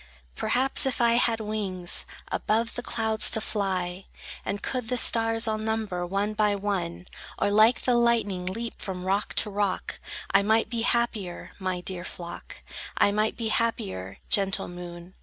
Perhaps, if I had wings Above the clouds to fly, And could the stars all number, one by one, Or like the lightning leap from rock to rock, I might be happier, my dear flock, I might be happier, gentle moon!